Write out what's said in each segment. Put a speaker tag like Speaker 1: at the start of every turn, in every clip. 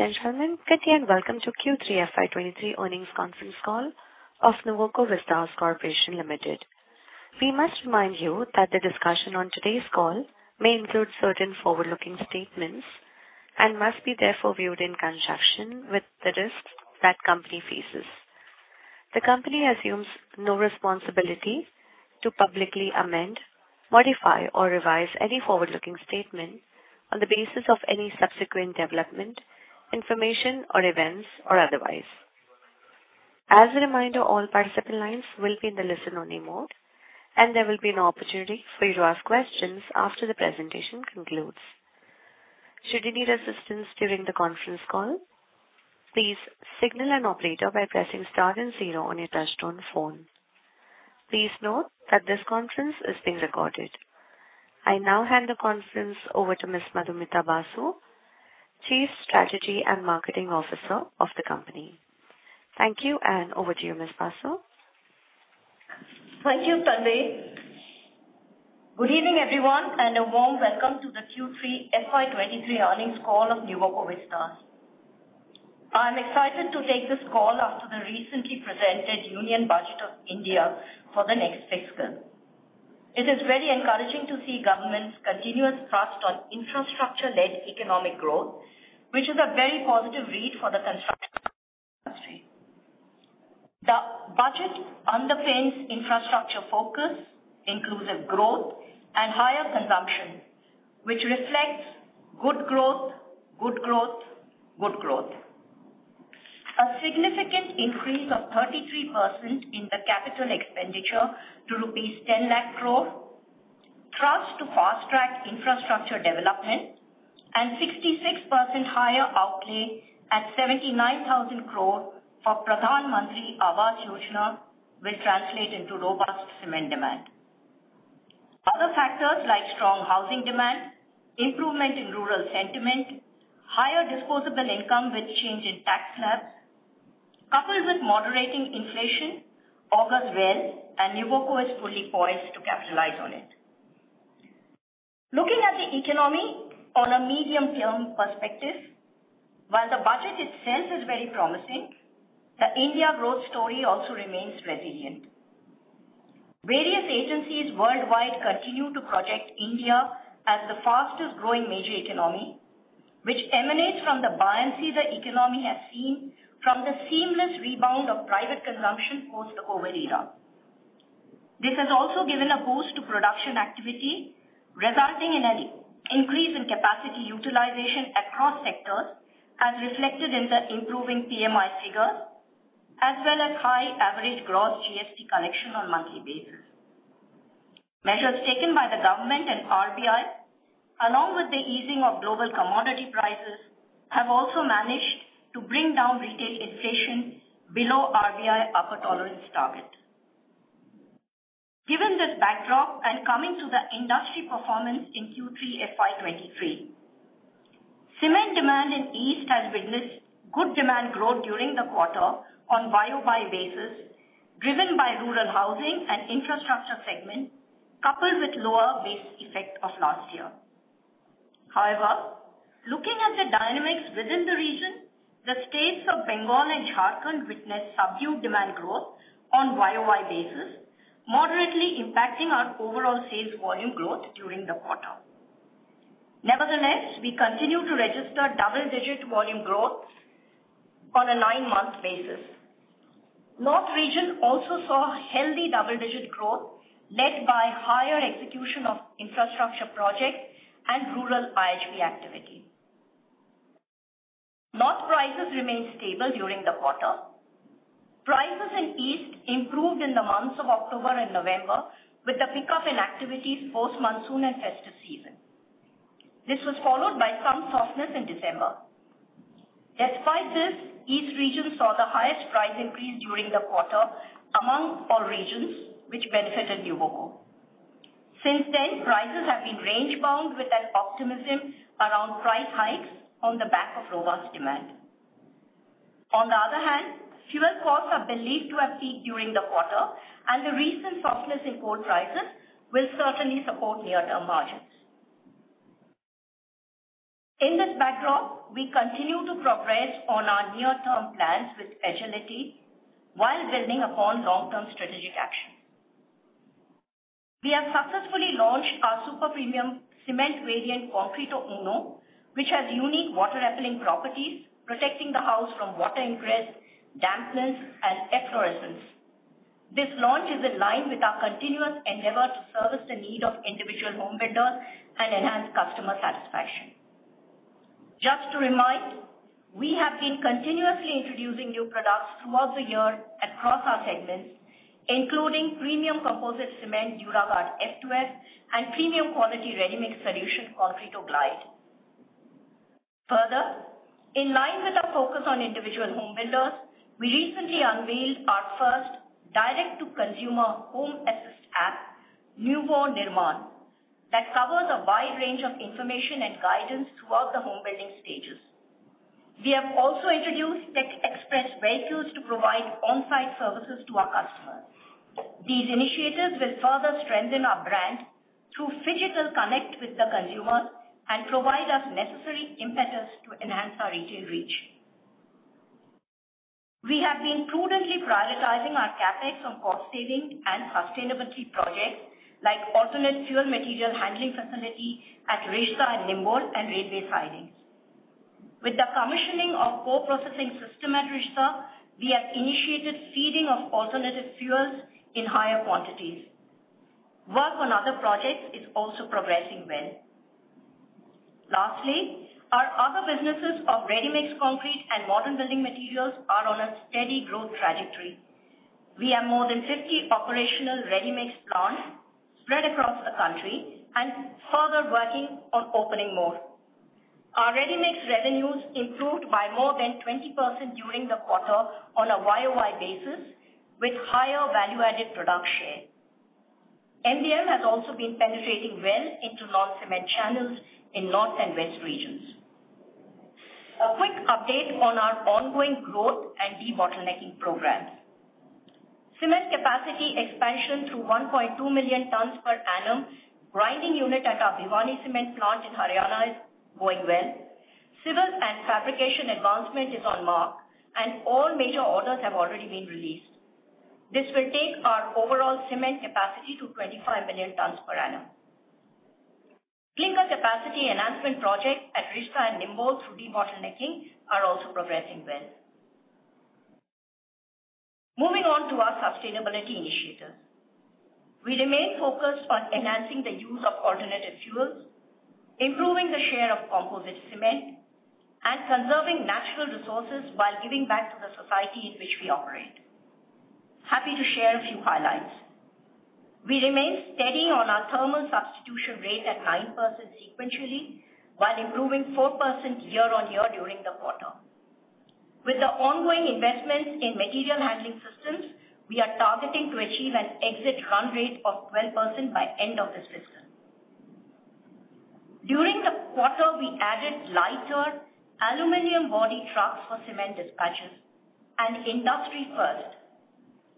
Speaker 1: Ladies and gentlemen, good day and welcome to Q3 FY 2023 earnings conference call of Nuvoco Vistas Corporation Limited. We must remind you that the discussion on today's call may include certain forward-looking statements and must be therefore viewed in conjunction with the risks that the company faces. The company assumes no responsibility to publicly amend, modify, or revise any forward-looking statement on the basis of any subsequent development, information, or events, or otherwise. As a reminder, all participant lines will be in the listen-only mode, and there will be an opportunity for you to ask questions after the presentation concludes. Should you need assistance during the conference call, please signal an operator by pressing star and zero on your touchtone phone. Please note that this conference is being recorded. I now hand the conference over to Ms. Madhumita Basu, Chief Strategy and Marketing Officer of the company. Thank you. Over to you, Ms. Basu.
Speaker 2: Thank you, Tanvi. Good evening, everyone, and a warm welcome to the Q3 FY 2023 earnings call of Nuvoco Vistas. I'm excited to take this call after the recently presented Union Budget of India for the next fiscal. It is very encouraging to see government's continuous trust on infrastructure-led economic growth, which is a very positive read for the construction industry. The budget underpins infrastructure focus, inclusive growth, and higher consumption, which reflects good growth. A significant increase of 33% in the capital expenditure to rupees 10 lakh crore trusts to fast-track infrastructure development and 66% higher outlay at 79,000 crore for Pradhan Mantri Awas Yojana will translate into robust cement demand. Other factors like strong housing demand, improvement in rural sentiment, higher disposable income with change in tax slabs, coupled with moderating inflation, augurs well. Nuvoco is fully poised to capitalize on it. Looking at the economy on a medium-term perspective, while the budget itself is very promising, the India growth story also remains resilient. Various agencies worldwide continue to project India as the fastest-growing major economy, which emanates from the buoyancy the economy has seen from the seamless rebound of private consumption post the COVID era. This has also given a boost to production activity, resulting in an increase in capacity utilization across sectors as reflected in the improving PMI figures, as well as high average gross GST collection on monthly basis. Measures taken by the government and RBI, along with the easing of global commodity prices, have also managed to bring down retail inflation below RBI upper tolerance target. Given this backdrop and coming to the industry performance in Q3 FY 2023, cement demand in East has witnessed good demand growth during the quarter on YOY basis, driven by rural housing and infrastructure segment, coupled with lower base effect of last year. However, looking at the dynamics within the region, the states of Bengal and Jharkhand witnessed subdued demand growth on YOY basis, moderately impacting our overall sales volume growth during the quarter. Nevertheless, we continue to register double-digit volume growth on a nine-month basis. North region also saw healthy double-digit growth led by higher execution of infrastructure projects and rural IHP activity. North prices remained stable during the quarter. Prices in East improved in the months of October and November with the pickup in activities post monsoon and festive season. This was followed by some softness in December. Despite this, East region saw the highest price increase during the quarter among all regions, which benefited Nuvoco. Since then, prices have been range-bound with an optimism around price hikes on the back of robust demand. On the other hand, fuel costs are believed to have peaked during the quarter, and the recent softness in core prices will certainly support near-term margins. In this backdrop, we continue to progress on our near-term plans with agility while building upon long-term strategic action. We have successfully launched our super premium cement variant, Concreto Uno, which has unique water-repelling properties, protecting the house from water ingress, dampness, and efflorescence. This launch is in line with our continuous endeavor to service the need of individual home builders and enhance customer satisfaction. Just to remind, we have been continuously introducing new products throughout the year across our segments, including premium composite cement Duraguard F2S and premium quality readymix solution Concreto Glyde. Further, in line with our focus on individual home builders, we recently unveiled our first direct-to-consumer home assist app, Nuvo Nirmaan, that covers a wide range of information and guidance throughout the home-building stages. We have also introduced Tech Express vehicles to provide on-site services to our customers. These initiatives will further strengthen our brand through physical connect with the consumer and provide us necessary impetus to enhance our retail reach. We have been prudently prioritizing our CapEx on cost saving and sustainability projects like alternate fuel material handling facility at Risda and Nimbol and railway sidings. With the commissioning of co-processing system at Risda, we have initiated feeding of alternative fuels in higher quantities. Work on other projects is also progressing well. Lastly, our other businesses of ready-mix concrete and modern building materials are on a steady growth trajectory. We have more than 50 operational ready-mix plants spread across the country and further working on opening more. Our ready-mix revenues improved by more than 20% during the quarter on a YOY basis with higher value-added product share. MBM has also been penetrating well into non-cement channels in north and west regions. A quick update on our ongoing growth and debottlenecking programs. Cement capacity expansion through 1.2 million tons per annum grinding unit at our Bhiwani cement plant in Haryana is going well. Civil and fabrication advancement is on mark, and all major orders have already been released. This will take our overall cement capacity to 25 million tons per annum. Clinker capacity enhancement project at Risda and Nimbol through debottlenecking are also progressing well. Moving on to our sustainability initiatives. We remain focused on enhancing the use of alternative fuels, improving the share of composite cement, and conserving natural resources while giving back to the society in which we operate. Happy to share a few highlights. We remain steady on our thermal substitution rate at 9% sequentially, while improving 4% year-over-year during the quarter. With the ongoing investments in material handling systems, we are targeting to achieve an exit run rate of 12% by end of this fiscal. During the quarter, we added lighter aluminum body trucks for cement dispatches, an industry first.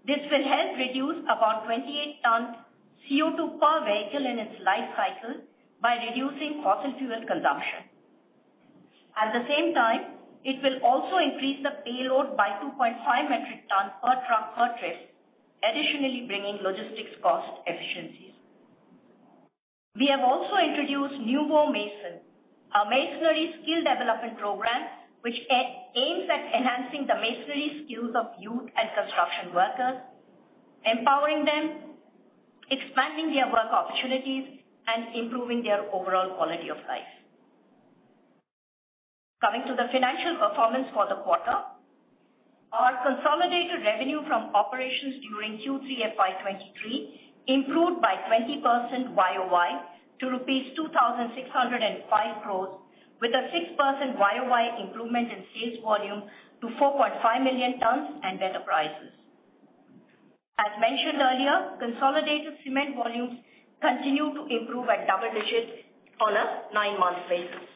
Speaker 2: This will help reduce about 28 tons CO2 per vehicle in its life cycle by reducing fossil fuel consumption. At the same time, it will also increase the payload by 2.5 metric tons per truck per trip, additionally bringing logistics cost efficiencies. We have also introduced Nuvo Mason, a masonry skill development program which aims at enhancing the masonry skills of youth and construction workers, empowering them, expanding their work opportunities, and improving their overall quality of life. Coming to the financial performance for the quarter. Our consolidated revenue from operations during Q3 FY 2023 improved by 20% year-over-year to rupees 2,605 crores with a 6% year-over-year improvement in sales volume to 4.5 million tons and better prices. As mentioned earlier, consolidated cement volumes continue to improve at double digits on a nine-month basis.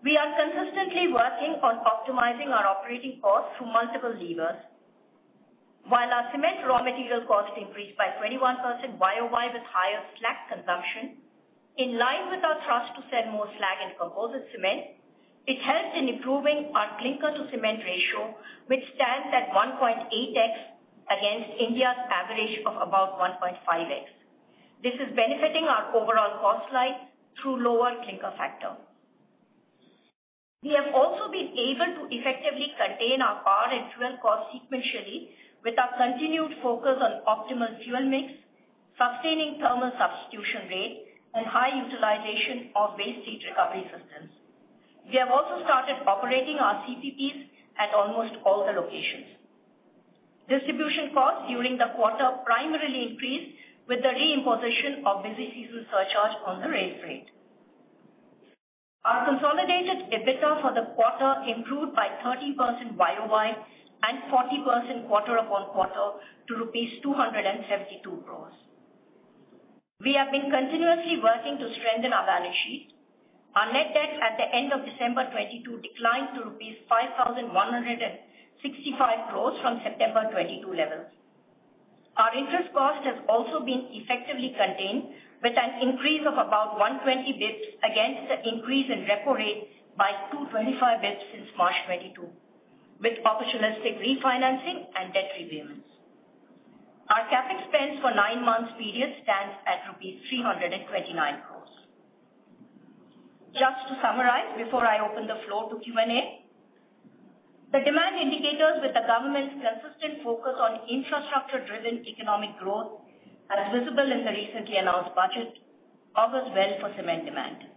Speaker 2: We are consistently working on optimizing our operating costs through multiple levers. While our cement raw material cost increased by 21% year-over-year with higher slag consumption, in line with our thrust to sell more slag and composite cement, it helped in improving our clinker-to-cement ratio, which stands at 1.8x against India's average of about 1.5x. This is benefiting our overall cost slide through lower clinker factor. We have also been able to effectively contain our power and fuel cost sequentially with our continued focus on optimal fuel mix, sustaining thermal substitution rate, and high utilization of waste heat recovery systems. We have also started operating our CPPs at almost all the locations. Distribution costs during the quarter primarily increased with the re-imposition of busy season surcharge on the rail freight. Our consolidated EBITDA for the quarter improved by 30% year-over-year and 40% quarter-over-quarter to rupees 272 crores. We have been continuously working to strengthen our balance sheet. Our net debt at the end of December 2022 declined to rupees 5,165 crores from September 2022 levels. Our interest cost has also been effectively contained with an increase of about 120 basis points against the increase in repo rate by 225 basis points since March 2022 with opportunistic refinancing and debt repayments. Our CapEx spends for nine months period stands at rupees 329 crores. Just to summarize before I open the floor to Q&A. The demand indicators with the government's consistent focus on infrastructure-driven economic growth, as visible in the recently announced budget, bodes well for cement demand.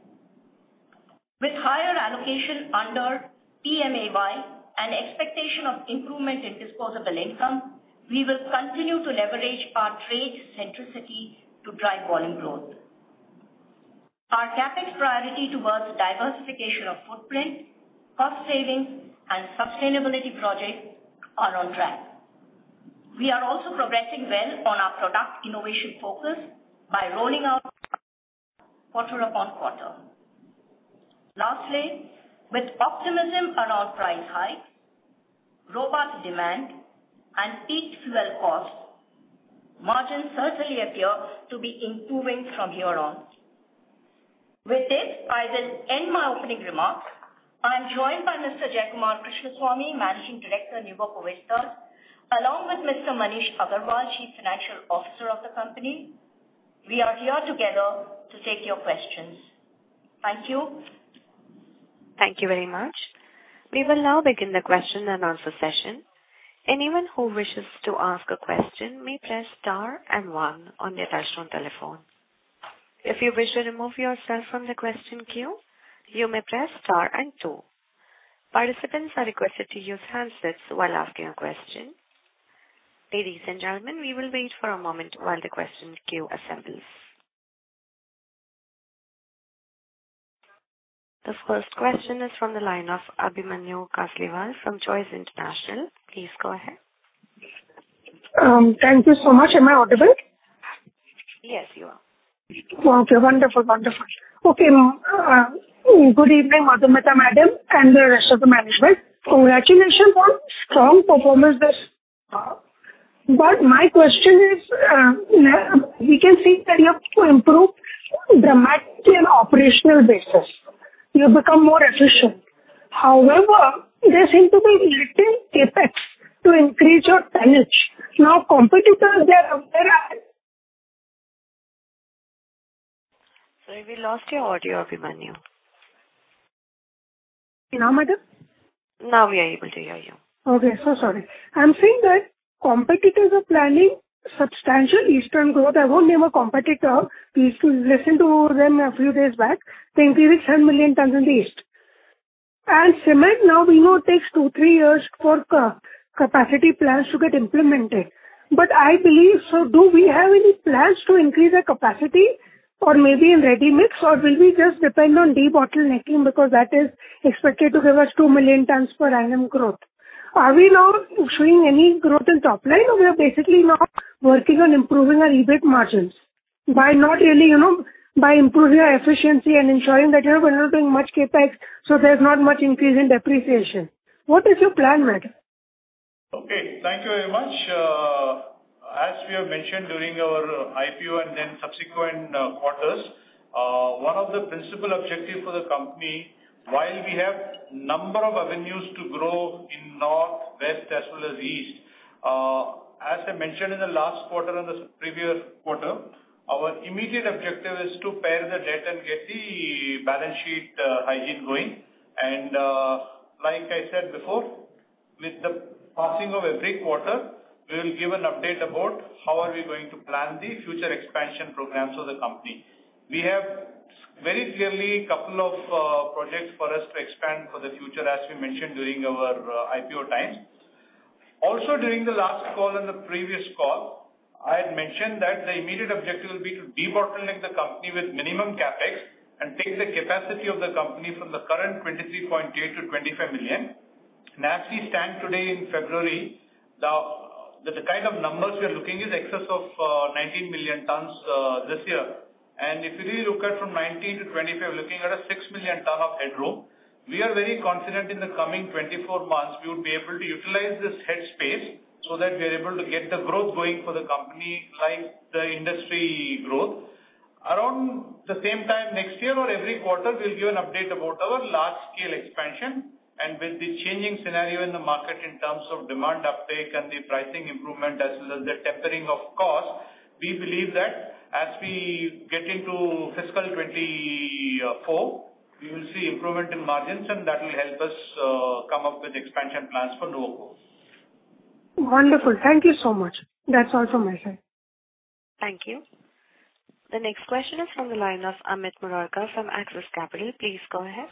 Speaker 2: With higher allocation under PMAY and expectation of improvement in disposable income, we will continue to leverage our trade centricity to drive volume growth. Our CapEx priority towards diversification of footprint, cost savings, and sustainability projects are on track. We are also progressing well on our product innovation focus by rolling out quarter-over-quarter. Lastly, with optimism around price hikes, robust demand, and peaked fuel costs, margins certainly appear to be improving from here on. With this, I will end my opening remarks. I am joined by Mr. Jayakumar Krishnaswamy, Managing Director, Nuvoco Vistas, along with Mr. Maneesh Agrawal, Chief Financial Officer of the company. We are here together to take your questions. Thank you.
Speaker 1: Thank you very much. We will now begin the question and answer session. Anyone who wishes to ask a question may press star and one on their touchtone telephone. If you wish to remove yourself from the question queue, you may press star and two. Participants are requested to use handsets while asking a question. Ladies and gentlemen, we will wait for a moment while the question queue assembles. The first question is from the line of Abhimanyu Kasliwal from Choice International. Please go ahead.
Speaker 3: Thank you so much. Am I audible?
Speaker 1: Yes, you are.
Speaker 3: Okay. Wonderful. Okay. Good evening, Madhumita Madam, and the rest of the management. Congratulations on strong performance this quarter. My question is, we can see that you have to improve dramatically on operational basis. You become more efficient. However, there seem to be little CapEx to increase your tonnage. Competitors, they are-
Speaker 1: Sorry, we lost your audio, Abhimanyu.
Speaker 3: Madam?
Speaker 1: We are able to hear you.
Speaker 3: Okay. Sorry. I'm saying that competitors are planning substantial eastern growth. I won't name a competitor. We used to listen to them a few days back. They increased 10 million tonnes in the east. Cement now we know takes two, three years for capacity plans to get implemented. I believe, do we have any plans to increase our capacity or maybe in ready-mix, or will we just depend on debottlenecking because that is expected to give us 2 million tonnes per annum growth. Are we now showing any growth in top line, or we are basically now working on improving our EBIT margins by improving our efficiency and ensuring that we're not doing much CapEx, so there's not much increase in depreciation. What is your plan, madam?
Speaker 4: Okay, thank you very much. As we have mentioned during our IPO and then subsequent quarters, one of the principal objective for the company, while we have number of avenues to grow in north, west, as well as east, as I mentioned in the last quarter and the previous quarter, our immediate objective is to pare the debt and get the balance sheet hygiene going. Like I said before, with the passing of every quarter, we will give an update about how are we going to plan the future expansion programs of the company. We have very clearly couple of projects for us to expand for the future, as we mentioned during our IPO times. Also, during the last call and the previous call, I had mentioned that the immediate objective will be to debottleneck the company with minimum CapEx and take the capacity of the company from the current 23.8 to 25 million. As we stand today in February, the kind of numbers we are looking is excess of 19 million tonnes this year. If you really look at from 19 to 25, we're looking at a 6 million tonne of headroom. We are very confident in the coming 24 months, we would be able to utilize this head space so that we are able to get the growth going for the company like the industry growth. Around the same time next year or every quarter, we'll give an update about our large-scale expansion. With the changing scenario in the market in terms of demand uptake and the pricing improvement as well as the tempering of cost, we believe that as we get into fiscal FY 2024, we will see improvement in margins and that will help us come up with expansion plans for Nuvoco.
Speaker 3: Wonderful. Thank you so much. That's all from my side.
Speaker 1: Thank you. The next question is from the line of Amit Murarka from Axis Capital. Please go ahead.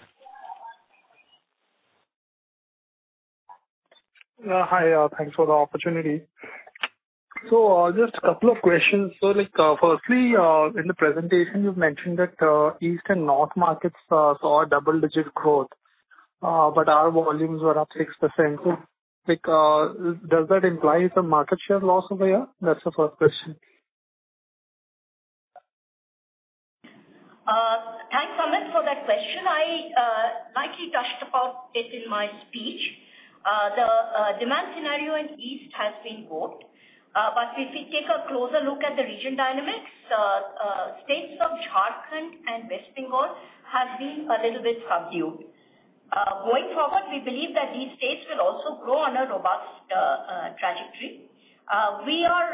Speaker 5: Hi. Thanks for the opportunity. Just a couple of questions. Firstly, in the presentation you've mentioned that east and north markets saw double-digit growth, but our volumes were up 6%. Does that imply some market share loss over here? That's the first question.
Speaker 2: Thanks, Amit, for that question. I lightly touched upon it in my speech. The demand scenario in east has been good. If we take a closer look at the region dynamics, states of Jharkhand and West Bengal have been a little bit subdued. Going forward, we believe that these states will also grow on a robust trajectory. We are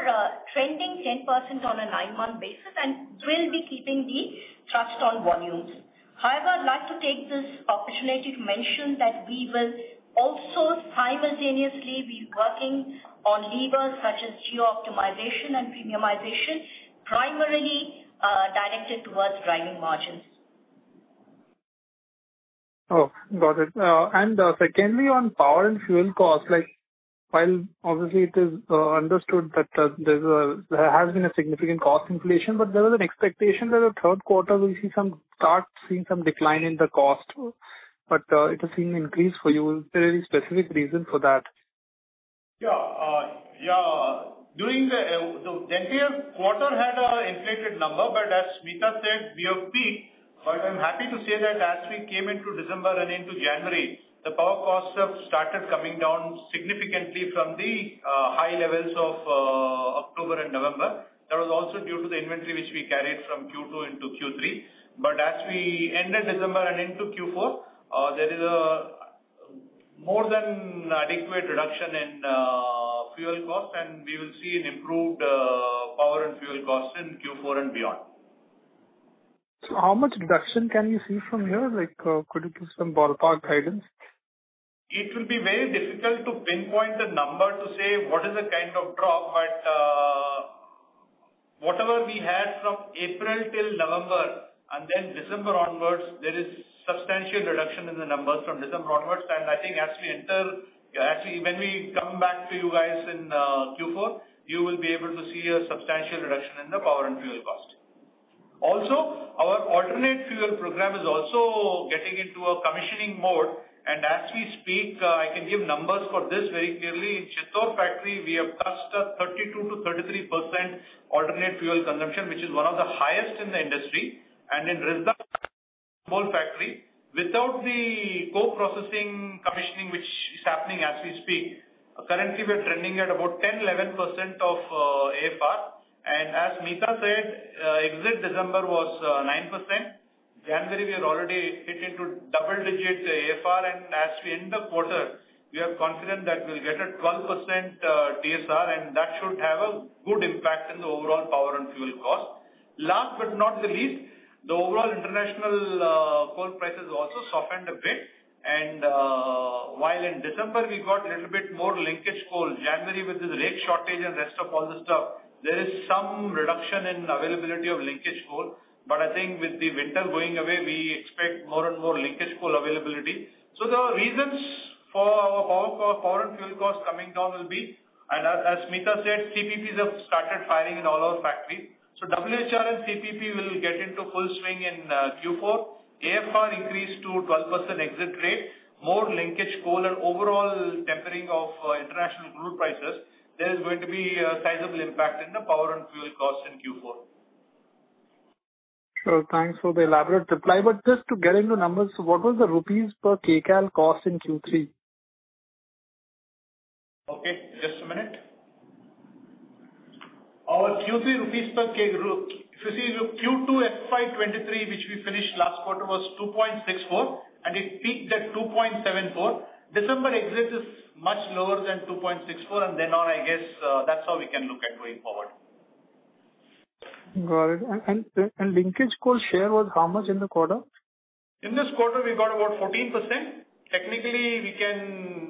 Speaker 2: trending 10% on a nine-month basis and will be keeping the thrust on volumes. However, I'd like to take this opportunity to mention that we will also simultaneously be working on levers such as geo-optimization and premiumization, primarily directed towards driving margins.
Speaker 5: Oh, got it. Secondly, on power and fuel costs, while obviously it is understood that there has been a significant cost inflation, there was an expectation that the third quarter will start seeing some decline in the cost. It has seen increase for you. Is there any specific reason for that?
Speaker 4: Yeah. The entire quarter had an inflated number, as Meeta said, we have peaked. I'm happy to say that as we came into December and into January, the power costs have started coming down significantly from the high levels of October and November. That was also due to the inventory which we carried from Q2 into Q3. As we ended December and into Q4, there is a more than adequate reduction in fuel cost, and we will see an improved power and fuel cost in Q4 and beyond.
Speaker 5: How much reduction can you see from here? Could you give some ballpark guidance?
Speaker 4: It will be very difficult to pinpoint the number to say what is the kind of drop. Whatever we had from April till November, then December onwards, there is substantial reduction in the numbers from December onwards. I think actually, when we come back to you guys in Q4, you will be able to see a substantial reduction in the power and fuel cost. Our alternate fuel program is also getting into a commissioning mode. As we speak, I can give numbers for this very clearly. In Chittor factory, we have touched 32%-33% alternate fuel consumption, which is one of the highest in the industry. In Risda coal factory, without the co-processing commissioning, which is happening as we speak, currently we are trending at about 10%, 11% of AFR. As Meeta said, exit December was 9%. In January, we have already hit into double-digit AFR. As we end the quarter, we are confident that we'll get a 12% TSR, and that should have a good impact in the overall power and fuel cost. Last but not least, the overall international coal prices also softened a bit. While in December we got a little bit more linkage coal, in January, with this rate shortage and rest of all the stuff, there is some reduction in availability of linkage coal. I think with the winter going away, we expect more and more linkage coal availability. The reasons for our power and fuel cost coming down will be, and as Meeta said, CPPs have started firing in all our factories. WHR and CPP will get into full swing in Q4. AFR increase to 12% exit rate, more linkage coal, and overall tempering of international crude prices. There is going to be a sizable impact in the power and fuel cost in Q4.
Speaker 5: Sure. Thanks for the elaborate reply. Just to get into numbers, what was the INR per kcal cost in Q3?
Speaker 4: Okay. Just a minute. If you see Q2 FY 2023, which we finished last quarter, was 2.64, and it peaked at 2.74. December exit is much lower than 2.64. Then on, I guess, that's how we can look at going forward.
Speaker 5: Got it. Linkage coal share was how much in the quarter?
Speaker 4: In this quarter, we got about 14%. Technically,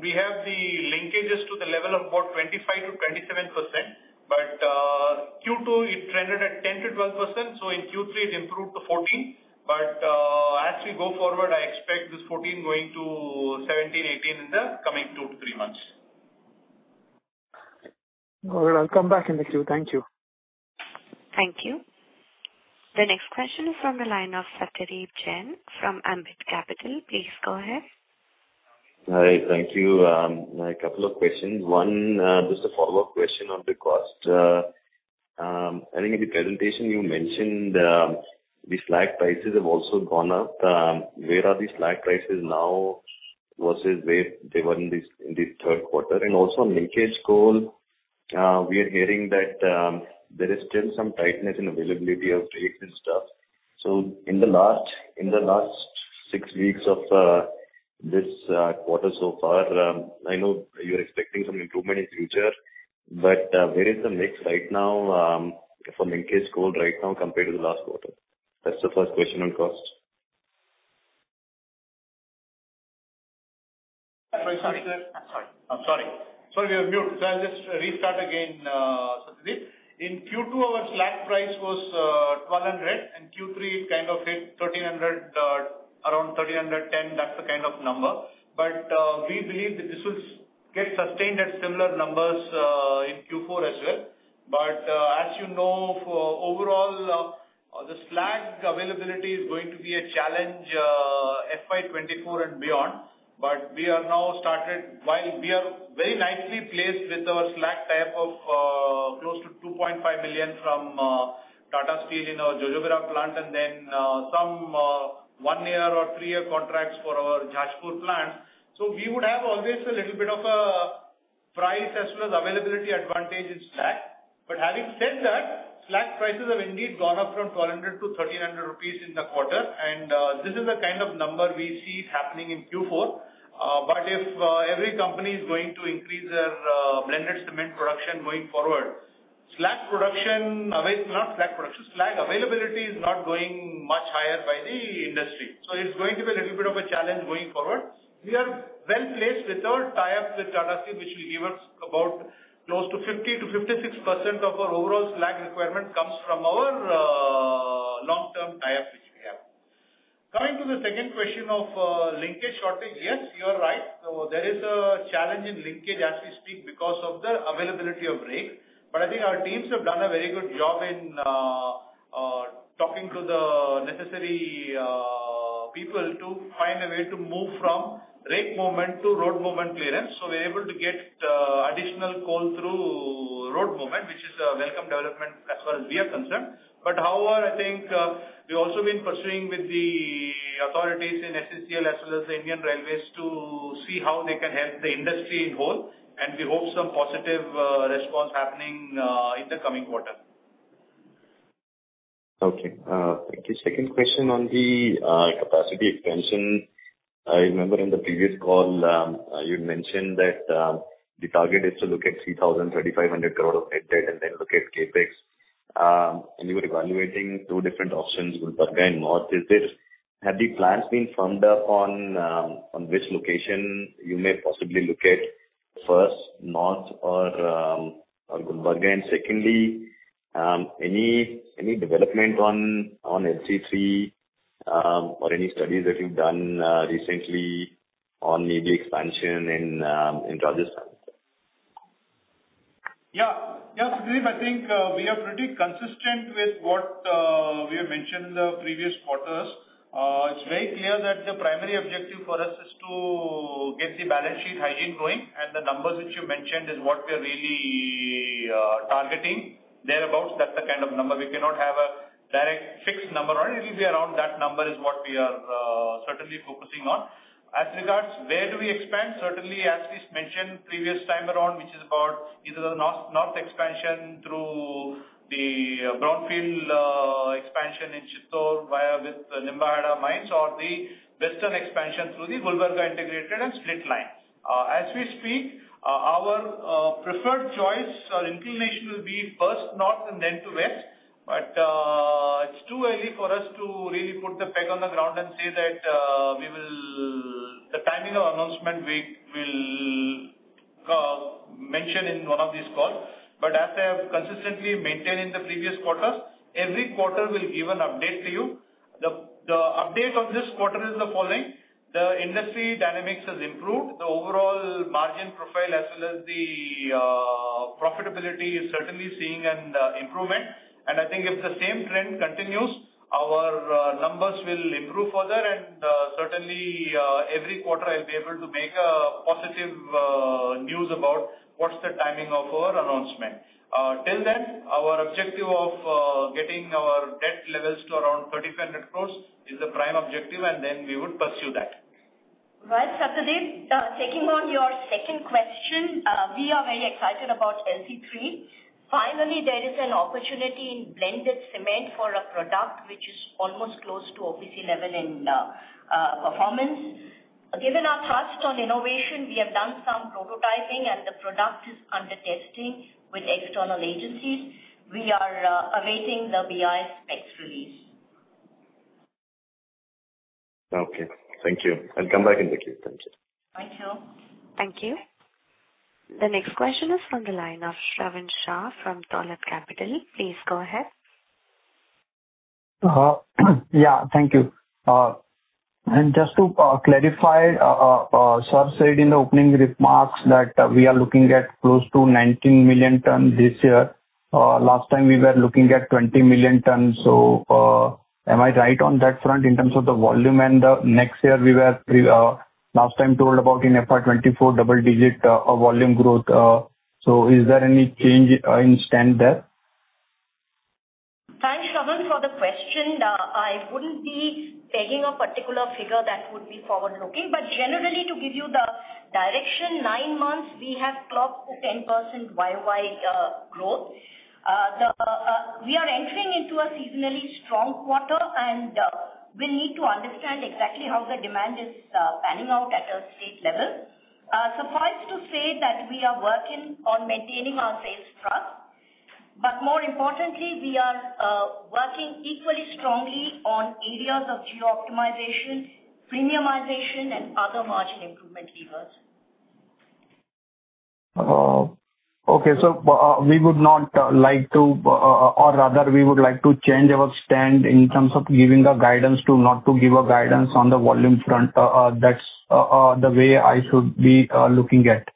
Speaker 4: we have the linkages to the level of about 25%-27%. Q2, it trended at 10%-12%, in Q3, it improved to 14. As we go forward, I expect this 14 going to 17, 18 in the coming two to three months.
Speaker 5: Got it. I will come back in the queue. Thank you.
Speaker 1: Thank you. The next question is from the line of Satyadeep Jain from Ambit Capital. Please go ahead.
Speaker 6: Hi. Thank you. A couple of questions. One, just a follow-up question on the cost. I think in the presentation you mentioned the slag prices have also gone up. Where are the slag prices now versus where they were in the third quarter? Also on linkage coal, we are hearing that there is still some tightness in availability of rakes and stuff. In the last six weeks of this quarter so far, I know you're expecting some improvement in future, but where is the mix right now for linkage coal right now compared to the last quarter? That's the first question on cost.
Speaker 4: Sorry.
Speaker 6: I'm sorry.
Speaker 4: I'm sorry. Sorry, you are mute. I'll just restart again, Satyadeep. In Q2, our slag price was 1,200, Q3, it kind of hit around 1,310. That's the kind of number. We believe that this will get sustained at similar numbers in Q4 as well. As you know, for overall, the slag availability is going to be a challenge FY 2024 and beyond. We are now started. While we are very nicely placed with our slag tie-up of close to 2.5 million from Tata Steel in our Jojobera plant, and then some one-year or three-year contracts for our Jashpur plant. We would have always a little bit of a price as well as availability advantage in slag. Having said that, slag prices have indeed gone up from 1,200 to 1,300 rupees in the quarter. This is the kind of number we see is happening in Q4. If every company is going to increase their blended cement production going forward, slag availability is not going much higher by the industry. It's going to be a little bit of a challenge going forward. We are well-placed with our tie-ups with Tata Steel, which will give us about close to 50%-56% of our overall slag requirement comes from our long-term tie-ups which we have. Coming to the second question of linkage shortage. Yes, you are right. There is a challenge in linkage as we speak because of the availability of rake. I think our teams have done a very good job in talking to the people to find a way to move from rake movement to road movement clearance. We're able to get additional coal through road movement, which is a welcome development as far as we are concerned. However, I think we've also been pursuing with the authorities in SCCL as well as the Indian Railways to see how they can help the industry in whole, and we hope some positive response happening in the coming quarter.
Speaker 6: Okay. Thank you. Second question on the capacity expansion. I remember in the previous call, you'd mentioned that the target is to look at 3,000, 3,500 crore of net debt and then look at CapEx. You were evaluating two different options, Gulbarga and North. Have the plans been firmed up on which location you may possibly look at first, North or Gulbarga? Secondly, any development on LC3 or any studies that you've done recently on maybe expansion in Rajasthan?
Speaker 4: Yeah. Yeah, Satyadeep, I think we are pretty consistent with what we have mentioned in the previous quarters. It's very clear that the primary objective for us is to get the balance sheet hygiene going, and the numbers which you mentioned is what we are really targeting, thereabout. That's the kind of number. We cannot have a direct fixed number on it. It'll be around that number is what we are certainly focusing on. As regards where do we expand, certainly as we mentioned previous time around, which is about either the North expansion through the brownfield expansion in Chittor via with the Limboda mines or the western expansion through the Gulbarga integrated and split lines. As we speak, our preferred choice or inclination will be first North and then to West. It's too early for us to really put the peg on the ground and say that the timing of announcement we will mention in one of these calls. As I have consistently maintained in the previous quarters, every quarter we'll give an update to you. The update of this quarter is the following. The industry dynamics has improved. The overall margin profile as well as the profitability is certainly seeing an improvement. I think if the same trend continues, our numbers will improve further, and certainly every quarter I'll be able to make a positive news about what's the timing of our announcement. Till then, our objective of getting our debt levels to around 3,500 crores is the prime objective, then we would pursue that.
Speaker 2: Right, Satyadeep. Taking on your second question, we are very excited about LC3. Finally, there is an opportunity in blended cement for a product which is almost close to OPC level in performance. Given our trust on innovation, we have done some prototyping and the product is under testing with external agencies. We are awaiting the BIS specs release.
Speaker 6: Okay. Thank you. I will come back in the queue. Thank you.
Speaker 2: Thank you.
Speaker 1: Thank you. The next question is from the line of Shravan Shah from Dolat Capital. Please go ahead.
Speaker 7: Yeah. Thank you. Just to clarify, sir said in the opening remarks that we are looking at close to 19 million tons this year. Last time we were looking at 20 million tons. Am I right on that front in terms of the volume and the next year we were last time told about in FY 2024 double-digit volume growth. Is there any change in stand there?
Speaker 2: Thanks, Shravan, for the question. I wouldn't be pegging a particular figure that would be forward-looking. Generally, to give you the direction, nine months we have clocked a 10% year-over-year growth. We are entering into a seasonally strong quarter, and we need to understand exactly how the demand is panning out at a state level. Suffice to say that we are working on maintaining our sales trust. More importantly, we are working equally strongly on areas of geo-optimization, premiumization, and other margin improvement levers.
Speaker 7: Okay. We would not like to, or rather we would like to change our stand in terms of giving a guidance to not to give a guidance on the volume front. That's the way I should be looking at.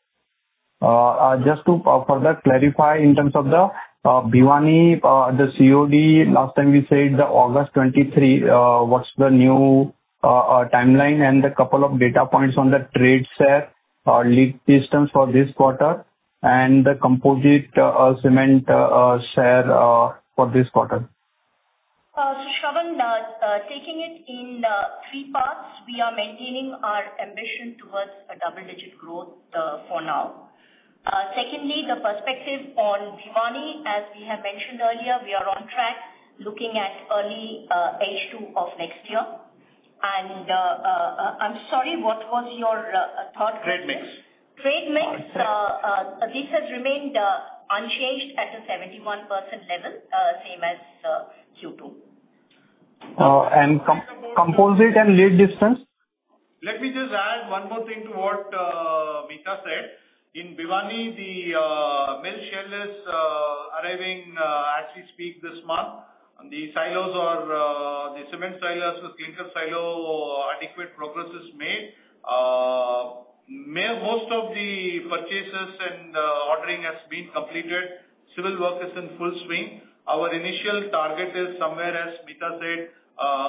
Speaker 7: Just to further clarify in terms of the Bhiwani, the COD, last time we said the August 2023. What's the new timeline and the couple of data points on the trade share or lead distance for this quarter, and the composite cement share for this quarter?
Speaker 2: Shravan, taking it in three parts. We are maintaining our ambition towards a double-digit growth for now. Secondly, the perspective on Bhiwani, as we have mentioned earlier, we are on track looking at early H2 of next year. I'm sorry, what was your third question?
Speaker 7: Trade mix.
Speaker 2: Trade mix. This has remained unchanged at a 71% level, same as Q2.
Speaker 7: Composite and lead distance?
Speaker 4: Let me just add one more thing to what Madhumita said. In Bhiwani, the mill share is arriving as we speak this month. The cement silos, the clinker silo, adequate progress is made. The purchases and ordering has been completed. Civil work is in full swing. Our initial target is somewhere, as Mita said,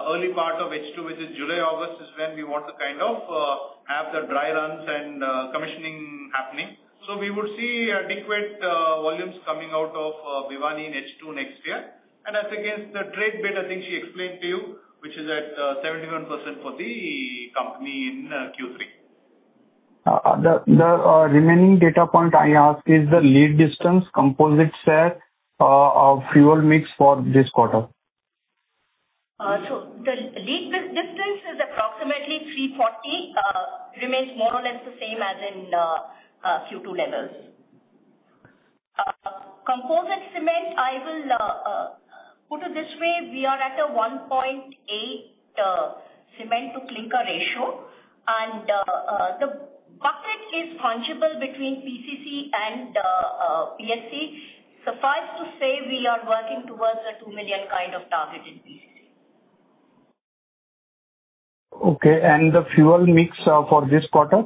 Speaker 4: early part of H2, which is July, August, is when we want to have the dry runs and commissioning happening. We would see adequate volumes coming out of Bhiwani in H2 next year. As against the trade bit, I think she explained to you, which is at 71% for the company in Q3.
Speaker 7: The remaining data point I ask is the lead distance composite share of fuel mix for this quarter.
Speaker 2: The lead distance is approximately 340, remains more or less the same as in Q2 levels. Composite cement, I will put it this way, we are at a 1.8 cement to clinker ratio, and the bucket is punchable between PCC and PSC. Suffice to say, we are working towards a 2 million target in PCC.
Speaker 7: Okay, the fuel mix for this quarter?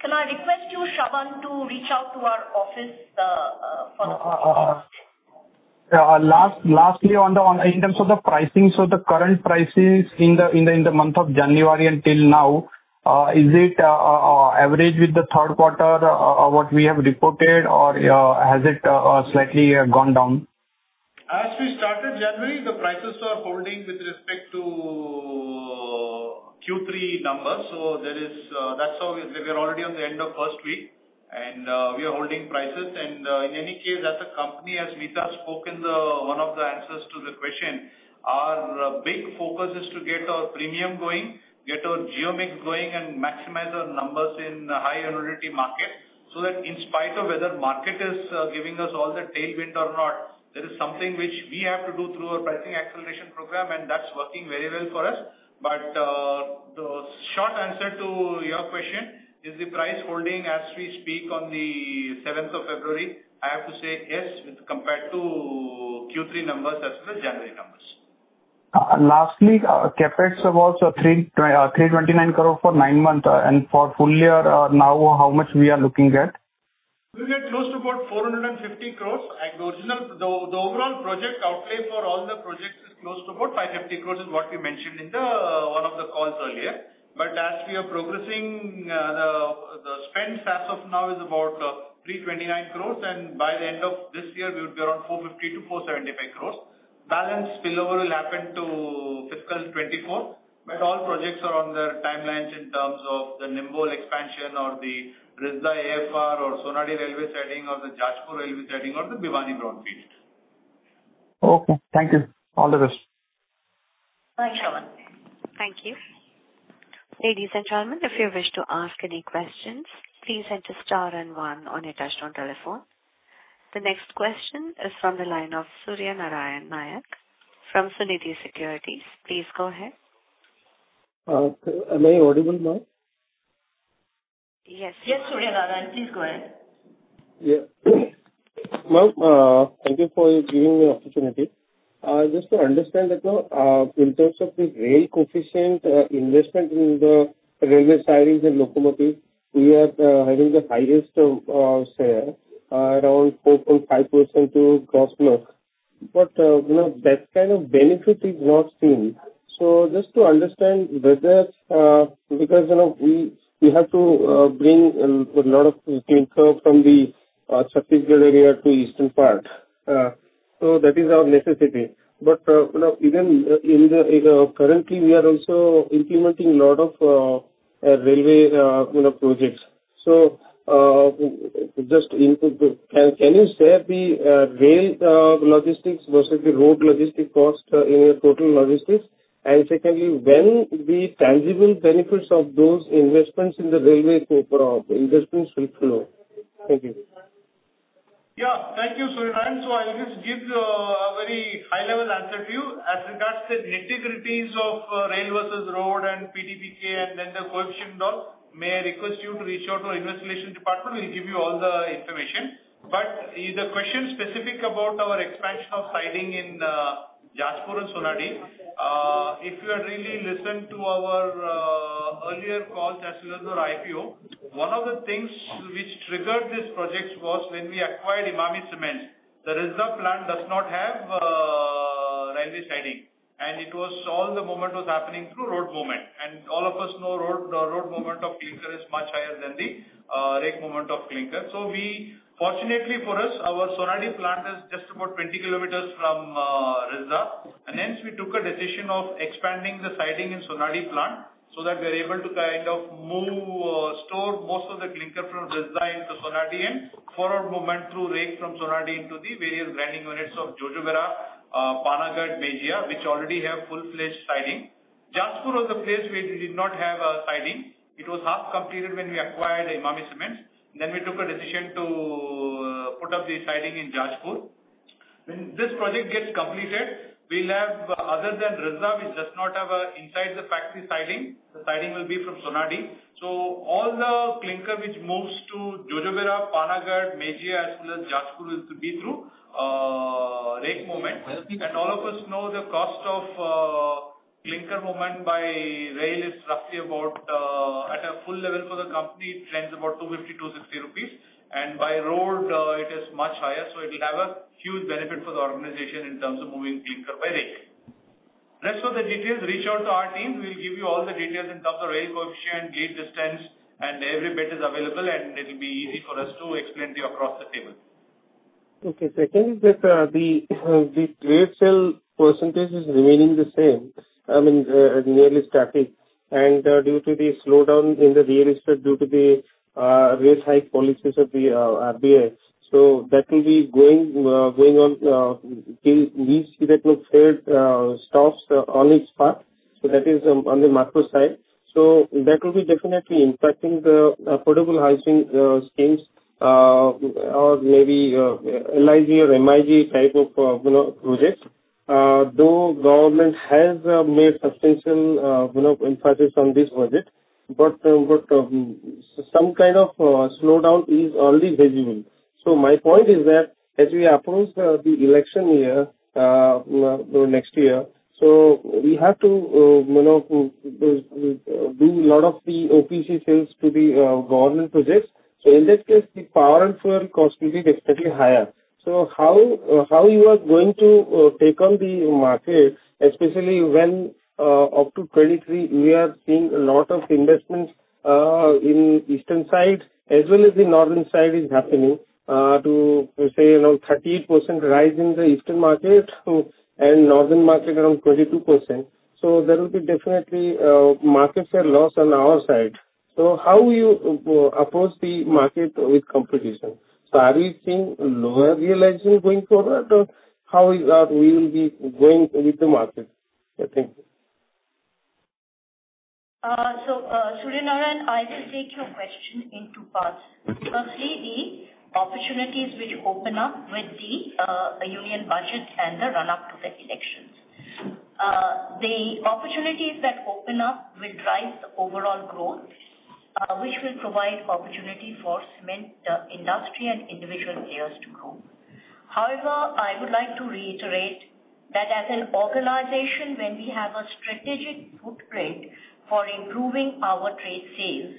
Speaker 2: Can I request you, Shravan, to reach out to our office for that?
Speaker 7: Lastly, in terms of the pricing, the current prices in the month of January until now, is it average with the third quarter of what we have reported, or has it slightly gone down?
Speaker 4: As we started January, the prices are holding with respect to Q3 numbers. We're already on the end of first week, we are holding prices. In any case, as a company, as Mita spoke in one of the answers to the question, our big focus is to get our premium going, get our geo mix going, and maximize our numbers in high annuity market that in spite of whether market is giving us all the tailwind or not, that is something which we have to do through our pricing acceleration program, and that's working very well for us. The short answer to your question, is the price holding as we speak on the seventh of February? I have to say yes, with compared to Q3 numbers as well as January numbers.
Speaker 7: Lastly, CapEx was 329 crore for nine months, for full year, now how much we are looking at?
Speaker 4: We get close to about 450 crores. The overall project outlay for all the projects is close to about 550 crores is what we mentioned in one of the calls earlier. As we are progressing, the spends as of now is about 329 crores, by the end of this year, we would be around 450-475 crores. Balance spillover will happen to fiscal 2024, all projects are on their timelines in terms of the Nimbol expansion or the Risda AFR or Sonadih railway siding or the Jashpur railway siding or the Bhiwani brownfield.
Speaker 7: Okay. Thank you. All the best.
Speaker 2: Thanks, Shravan.
Speaker 1: Thank you. Ladies and gentlemen, if you wish to ask any questions, please enter star and one on your touch-tone telephone. The next question is from the line of Surya Narayan Nayak from Sunidhi Securities. Please go ahead.
Speaker 8: Am I audible now?
Speaker 2: Yeah, Suryanarayan, please go ahead.
Speaker 8: Yeah. Ma'am, thank you for giving me opportunity. Just to understand that in terms of the rail coefficient investment in the railway sidings and locomotives, we are having the highest share, around 4.5% to gross mix. That kind of benefit is not seen. Just to understand whether Because we have to bring a lot of clinker from the Chhattisgarh area to eastern part. That is our necessity. Currently, we are also implementing a lot of railway projects. Just input, can you share the rail logistics versus the road logistic cost in your total logistics? Secondly, when the tangible benefits of those investments in the railway investments will flow? Thank you.
Speaker 4: Yeah, thank you, Suryanarayan. I'll just give a very high-level answer to you. As regards the nitty-gritties of rail versus road and PDPK and then the coefficient and all, may I request you to reach out to our investor relation department, who will give you all the information. The question specific about our expansion of siding in Jashpur and Sonadih, if you had really listened to our earlier call as well as our IPO, one of the things which triggered this project was when we acquired Emami Cement. The Risda plant does not have railway siding, and it was all the movement was happening through road movement, and all of us know road movement of clinker is much higher than the rake movement of clinker. Fortunately for us, our Sonadih plant is just about 20 kilometers from Risda, and hence we took a decision of expanding the siding in Sonadih plant so that we're able to store most of the clinker from Risda into Sonadih and for our movement through rake from Sonadih into the various grinding units of Jojobera, Panagarh, Mejia, which already have full-fledged siding. Jashpur was a place we did not have a siding. It was half completed when we acquired Emami Cement, we took a decision to put up the siding in Jashpur. When this project gets completed, we'll have, other than Risda, which does not have a inside the factory siding, the siding will be from Sonadih. On Panagarh, Mejia, as well as Jashpur will be through rail movement. All of us know the cost of clinker movement by rail is roughly about, at a full level for the company, it trends about 250-260 rupees, and by road it is much higher. It will have a huge benefit for the organization in terms of moving clinker by rail. Rest of the details, reach out to our teams. We'll give you all the details in terms of rail coefficient, gate distance, and every bit is available, and it'll be easy for us to explain to you across the table.
Speaker 8: Okay. Second is that the trade sale percentage is remaining the same. I mean, nearly static. Due to the slowdown in the real estate, due to the rate hike policies of the RBI. That will be going on till real estate stops on its path. That is on the macro side. That will be definitely impacting the affordable housing schemes, or maybe LIG or MIG type of projects. Though government has made substantial emphasis on this Budget, but some kind of slowdown is already visible. My point is that as we approach the election year next year, we have to do lot of the OPC sales to the government projects. In that case, the power and fuel cost will be definitely higher. How you are going to take on the market, especially when up to 2023, we are seeing a lot of investments in eastern side as well as the northern side is happening to, say, around 38% rise in the eastern market and northern market around 22%. There will be definitely market share loss on our side. How you approach the market with competition? Are we seeing lower realization going forward or how is that we will be going with the market? Thank you.
Speaker 2: Surya Narayan, I will take your question in two parts.
Speaker 8: Okay.
Speaker 2: Firstly, the opportunities which open up with the Union Budget and the run-up to the elections. The opportunities that open up will drive the overall growth, which will provide opportunity for cement industry and individual players to grow. However, I would like to reiterate that as an organization, when we have a strategic footprint for improving our trade sales,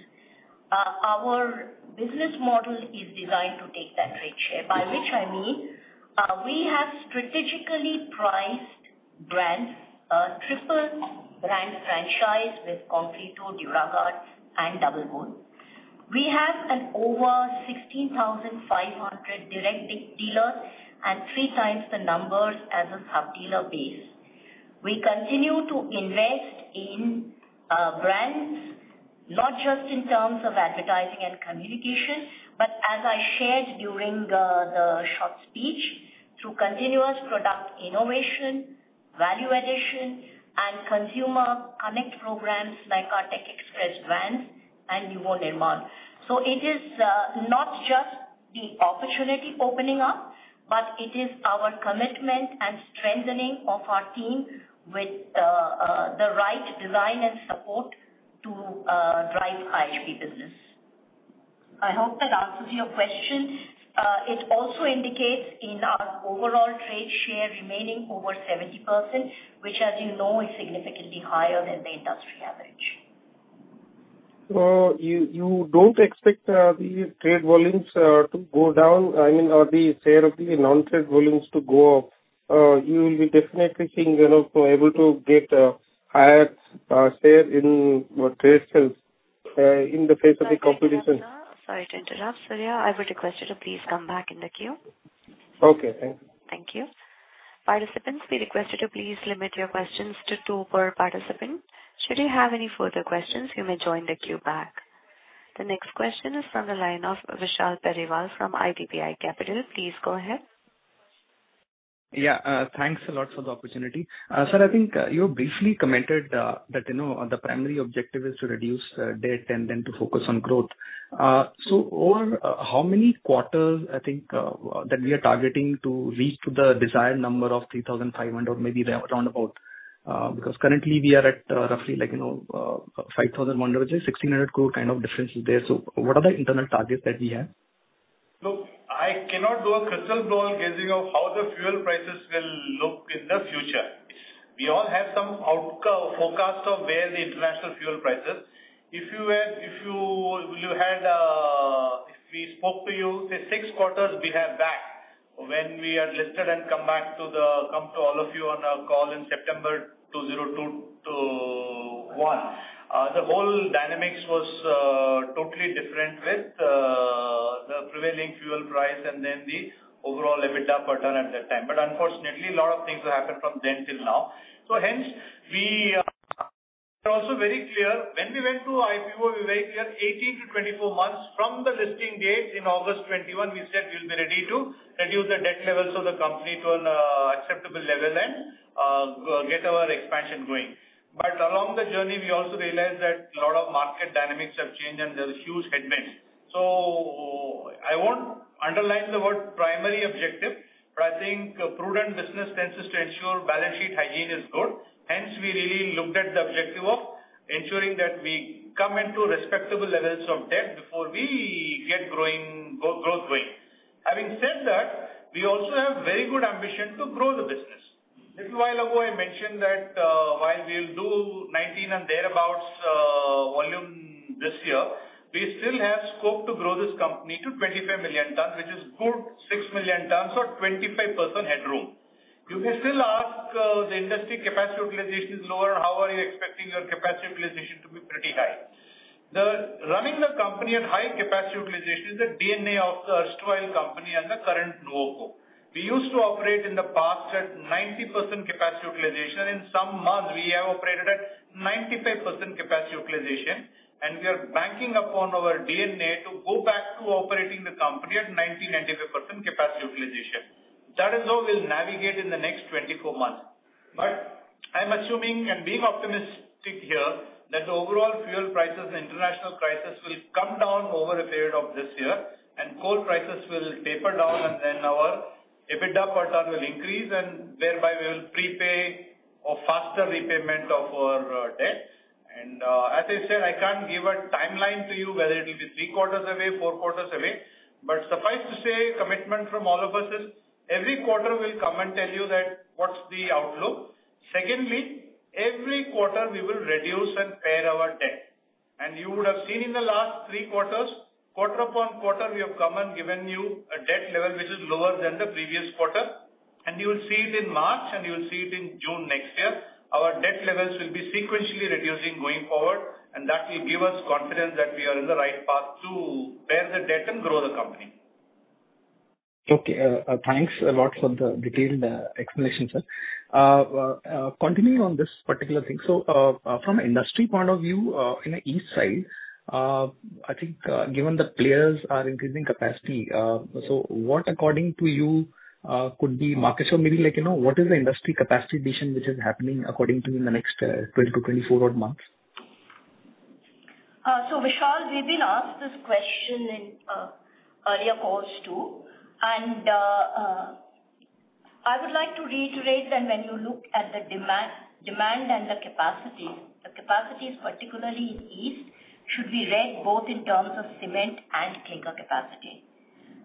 Speaker 2: our business model is designed to take that trade share. By which I mean, we have strategically priced brands, triple brand franchise with Concreto, Duraguard and Double Bull. We have an over 16,500 direct dealers and three times the numbers as a sub-dealer base. We continue to invest in brands, not just in terms of advertising and communication, but as I shared during the short speech, through continuous product innovation, value addition and consumer connect programs like our Tech Express Vans and Nuvo Nirmaan. It is not just the opportunity opening up, but it is our commitment and strengthening of our team with the right design and support to drive high GP business. I hope that answers your question. It also indicates in our overall trade share remaining over 70%, which as you know, is significantly higher than the industry average.
Speaker 8: You don't expect these trade volumes to go down or the share of the non-trade volumes to go up. You will be definitely seeing you are not able to get a higher share in trade sales in the face of the competition.
Speaker 1: Sorry to interrupt. Surya, I would request you to please come back in the queue.
Speaker 8: Okay, thank you.
Speaker 1: Thank you. Participants, we request you to please limit your questions to two per participant. Should you have any further questions, you may join the queue back. The next question is from the line of Vishal Parekh from IIFL Capital. Please go ahead.
Speaker 9: Yeah. Thanks a lot for the opportunity. Sir, I think you briefly commented that the primary objective is to reduce debt and then to focus on growth. Over how many quarters, I think, that we are targeting to reach to the desired number of 3,500, maybe round about, because currently we are at roughly 5,100, 1,600 crore kind of difference is there. What are the internal targets that we have?
Speaker 4: Look, I cannot do a crystal ball gazing of how the fuel prices will look in the future. We all have some forecast of where the international fuel price is. If we spoke to you, say, six quarters behind back when we are listed and come to all of you on our call in September 2021, the whole dynamics was totally different with the prevailing fuel price and then the overall EBITDA pattern at that time. Unfortunately, a lot of things have happened from then till now. Hence, we are also very clear. When we went to IPO, we were very clear, 18-24 months from the listing date in August 2021, we said we'll be ready to reduce the debt levels of the company to an acceptable level and get our expansion going. Along the journey, we also realized that a lot of market dynamics have changed and there's a huge headwind. I won't underline the word primary objective, but I think prudent business tends to ensure balance sheet hygiene is good. Hence, we really looked at the objective of ensuring that we come into respectable levels of debt before we get growth going. Having said that, we also have very good ambition to grow the business. Little while ago, I mentioned that while we'll do 19 and thereabouts volume this year, we still have scope to grow this company to 25 million tonnes, which is good 6 million tonnes or 25% headroom. You can still ask, the industry capacity utilization is lower, how are you expecting your capacity utilization to be pretty high? Running the company at high capacity utilization is the DNA of the erstwhile company and the current Nuvoco. We used to operate in the past at 90% capacity utilization. In some months, we have operated at 95% capacity utilization, and we are banking upon our DNA to go back to operating the company at 90%-95% capacity utilization. That is how we'll navigate in the next 24 months. I'm assuming and being optimistic here that the overall fuel prices and international prices will come down over a period of this year, and coal prices will taper down, and then our EBITDA per tonne will increase and thereby we will prepay or faster repayment of our debts. As I said, I can't give a timeline to you whether it is three quarters away, four quarters away. Suffice to say, commitment from all of us is, every quarter we'll come and tell you that what's the outlook. Secondly, every quarter we will reduce and pare our debt. You would have seen in the last three quarters, quarter upon quarter, we have come and given you a debt level which is lower than the previous quarter. You will see it in March, and you will see it in June next year. Our debt levels will be sequentially reducing going forward, and that will give us confidence that we are in the right path to pare the debt and grow the company.
Speaker 9: Okay. Thanks a lot for the detailed explanation, sir. Continuing on this particular thing. From an industry point of view, in the east side, I think given the players are increasing capacity, so what according to you could be market share? Maybe what is the industry capacity addition which is happening according to you in the next 20-24 odd months?
Speaker 2: Vishal, we've been asked this question in earlier calls, too. I would like to reiterate that when you look at the demand and the capacities, the capacities, particularly in east, should be read both in terms of cement and clinker capacity.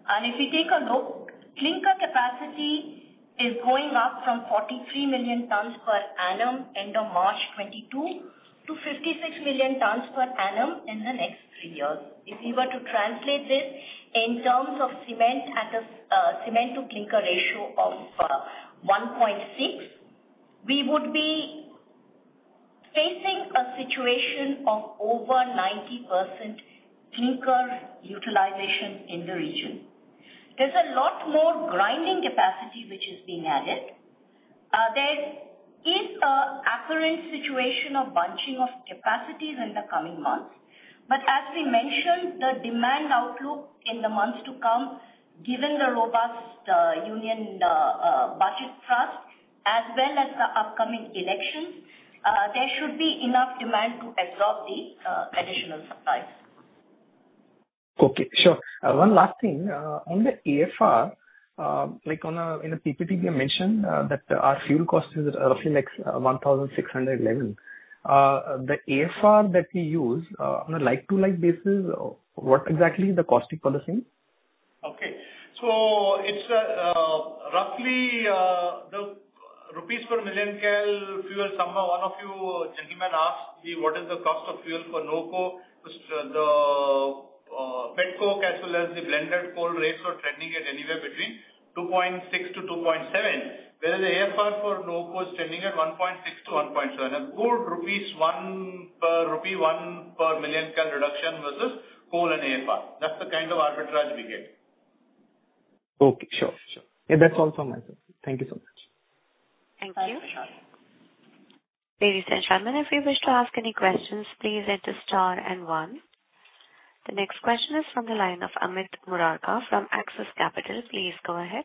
Speaker 2: If you take a look, clinker capacity is going up from 43 million tons per annum end of March 2022 to 56 million tons per annum in the next three years. If you were to translate this in terms of cement at a cement to clinker ratio of 1.6, we would be facing a situation of over 90% clinker utilization in the region. There's a lot more grinding capacity which is being added. There is an accurate situation of bunching of capacities in the coming months. As we mentioned, the demand outlook in the months to come, given the robust Union Budget thrust as well as the upcoming elections, there should be enough demand to absorb the additional supplies.
Speaker 9: Okay, sure. One last thing. On the AFR, like in the PPT you mentioned that our fuel cost is roughly like 1,611. The AFR that we use on a like-to-like basis, what exactly is the costing for the same?
Speaker 4: Okay. It's roughly the INR per million kilocal. Somehow, one of you gentlemen asked me what is the cost of fuel for Nuvoco. The pet coke as well as the blended coal rates were trending at anywhere between 2.6 to 2.7, whereas the AFR for Nuvoco is trending at 1.6 to 1.7. A good rupee 1 per million kilo reduction versus coal and AFR. That's the kind of arbitrage we get.
Speaker 9: Okay, sure. That's all from my side. Thank you so much.
Speaker 2: Thank you.
Speaker 1: Thank you, Vishal. Ladies and gentlemen, if you wish to ask any questions, please enter star and one. The next question is from the line of Amit Murarka from Axis Capital. Please go ahead.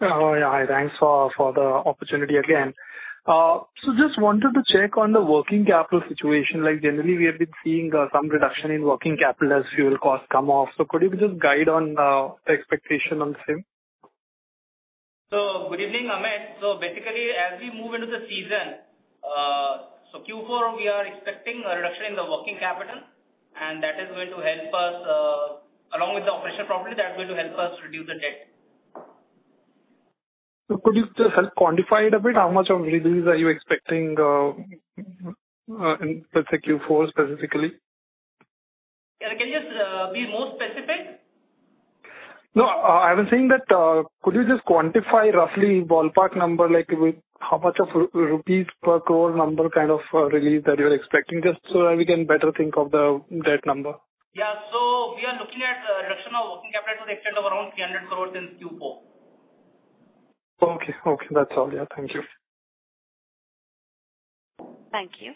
Speaker 5: Hi. Thanks for the opportunity again. Just wanted to check on the working capital situation. Generally, we have been seeing some reduction in working capital as fuel costs come off. Could you just guide on the expectation on the same?
Speaker 10: Good evening, Amit. Basically, as we move into the season, Q4, we are expecting a reduction in the working capital, and that is going to help us, along with the operational property, that is going to help us reduce the debt.
Speaker 5: Could you just help quantify it a bit? How much of relief are you expecting in Q4 specifically?
Speaker 10: Can you be more specific?
Speaker 5: No. I was saying that, could you just quantify roughly ballpark number, like how much of INR per crore number kind of relief that you are expecting, just so that we can better think of the debt number?
Speaker 10: Yeah. We are looking at reduction of working capital to the extent of around 300 crore in Q4.
Speaker 5: Okay. That's all. Yeah. Thank you.
Speaker 1: Thank you.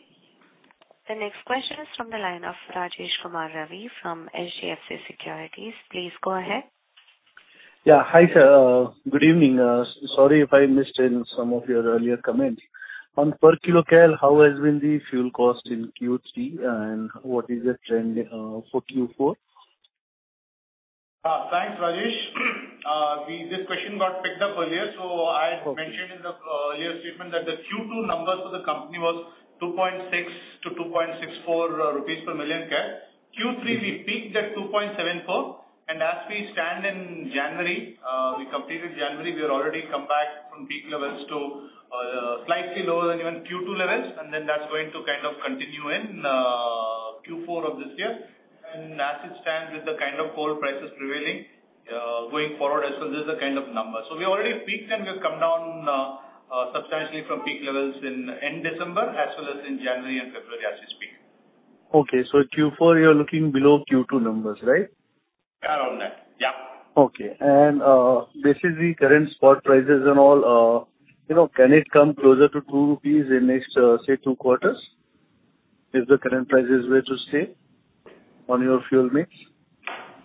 Speaker 1: The next question is from the line of Rajesh Kumar Ravi from HDFC Securities. Please go ahead.
Speaker 11: Yeah. Hi. Good evening. Sorry if I missed in some of your earlier comments. On per kilocal, how has been the fuel cost in Q3, and what is the trend for Q4?
Speaker 4: Thanks, Rajesh. I had mentioned in the earlier statement that the Q2 numbers for the company was 2.6 to 2.64 rupees per million kcal. Q3, we peaked at 2.74 and as we stand in January, we completed January, we have already come back from peak levels to slightly lower than even Q2 levels. That's going to kind of continue in Q4 of this year. As it stands with the kind of coal prices prevailing, going forward as well, this is the kind of number. We already peaked and we have come down substantially from peak levels in end December as well as in January and February as we speak.
Speaker 11: Q4, you're looking below Q2 numbers, right?
Speaker 4: Around that. Yeah.
Speaker 11: Basically current spot prices and all, can it come closer to 2 rupees in next, say, two quarters if the current prices were to stay on your fuel mix?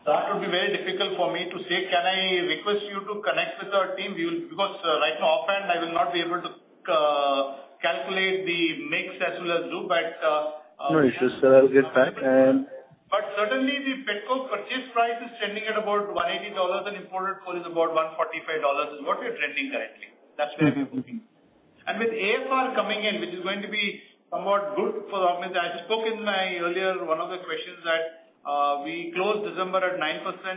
Speaker 4: That would be very difficult for me to say. Can I request you to connect with our team? Right now offhand I will not be able to calculate the mix as well as loop.
Speaker 11: No issues, sir. I'll get back.
Speaker 4: Certainly the petrol purchase price is trending at about $180 and imported coal is about $145 is what we are trending currently. That's where we are looking. With AFR coming in, which is going to be somewhat good for us. I spoke in my earlier one of the questions that we closed December at 9%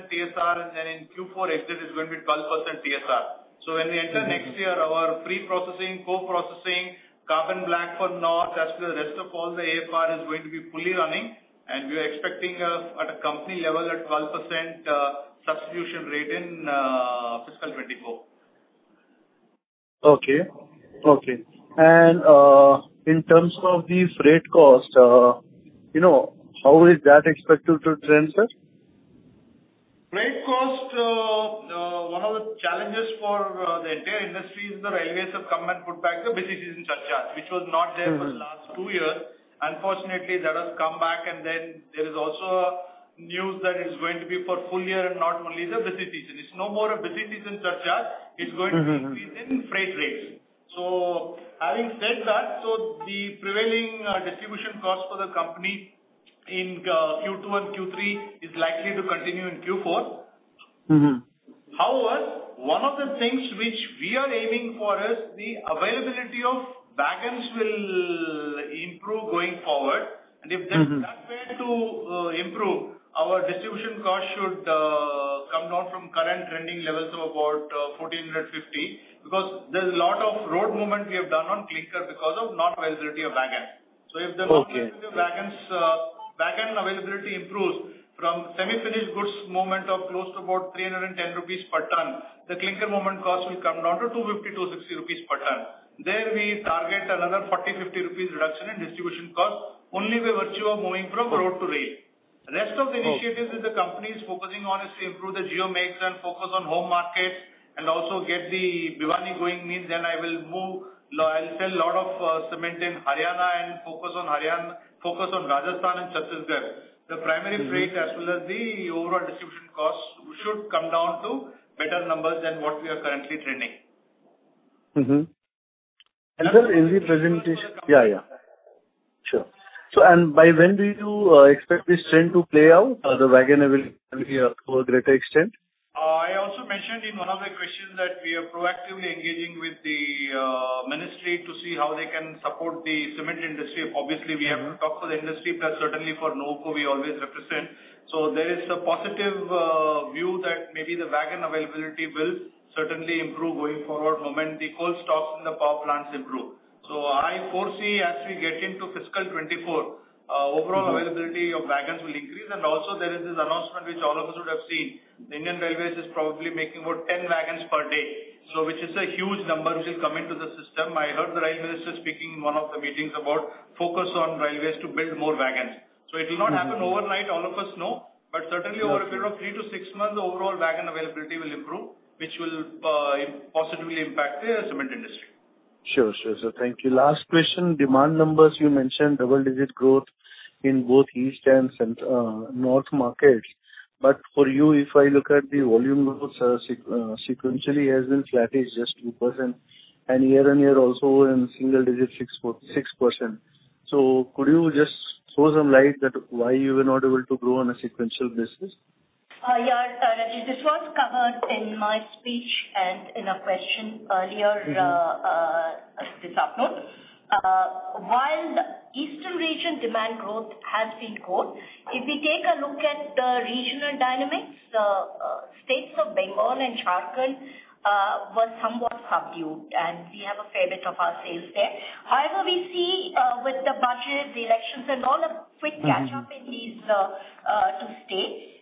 Speaker 4: TSR and then in Q4 exit is going to be 12% TSR. When we enter next year, our pre-processing, co-processing, carbon black for north as well as rest of all the AFR is going to be fully running and we are expecting at a company level at 12% substitution rate in fiscal 2024.
Speaker 11: Okay. In terms of these freight cost, how is that expected to trend, sir?
Speaker 4: Freight cost, one of the challenges for the entire industry is the railways have come and put back the busy season surcharge, which was not there for the last two years. Unfortunately, that has come back and then there is also news that is going to be for full year and not only the busy season. It's no more a busy season surcharge, it's going to be increase in freight rates. Having said that, the prevailing distribution cost for the company in Q2 and Q3 is likely to continue in Q4. However, one of the things which we are aiming for is the availability of wagons will improve going forward. If that's expected to improve, our distribution cost should come down from current trending levels of about 1,450 because there's a lot of road movement we have done on clinker because of non-availability of wagon.
Speaker 11: Okay
Speaker 4: wagon availability improves from semi-finished goods movement of close to about 310 rupees per ton, the clinker movement cost will come down to 250 rupees, 260 rupees per ton. There we target another 40 rupees, 50 rupees reduction in distribution cost only by virtue of moving from road to rail. Rest of the initiatives that the company is focusing on is to improve the geo mix and focus on home market and also get the Bhiwani going means then I will sell lot of cement in Haryana and focus on Rajasthan and Chhattisgarh. The primary freight as well as the overall distribution costs should come down to better numbers than what we are currently trending.
Speaker 11: Sir, in the presentation By when do you expect this trend to play out, the wagon availability to a greater extent?
Speaker 4: I also mentioned in one of the questions that we are proactively engaging with the ministry to see how they can support the cement industry. Obviously, we have talked to the industry plus, certainly for Nuvoco we always represent. There is a positive view that maybe the wagon availability will certainly improve going forward moment the coal stocks in the power plants improve. I foresee as we get into FY 2024, overall availability of wagons will increase. Also there is this announcement which all of us would have seen. The Indian Railways is probably making about 10 wagons per day. Which is a huge number which will come into the system. I heard the Rail Minister speaking in one of the meetings about focus on railways to build more wagons. It will not happen overnight, all of us know. Certainly over a period of three to six months the overall wagon availability will improve, which will positively impact the cement industry.
Speaker 11: Sure, sir. Thank you. Last question, demand numbers you mentioned double-digit growth in both East and North markets. For you if I look at the volume growth sequentially as in flat is just 2% and year-on-year also in single-digit 6%. Could you just throw some light that why you were not able to grow on a sequential basis?
Speaker 2: Yeah, Rajesh, this was covered in my speech and in a question earlier this afternoon. While the eastern region demand growth has been good, if we take a look at the regional dynamics, the states of Bengal and Jharkhand were somewhat subdued and we have a fair bit of our sales there. However, we see with the budget, the elections and all, a quick catch-up in these two states.